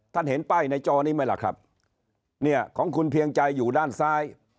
เห็นป้ายในจอนี้ไหมล่ะครับเนี่ยของคุณเพียงใจอยู่ด้านซ้าย